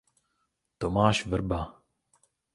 Tomáš Vrba.